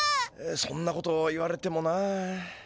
そんなこと言われてもな。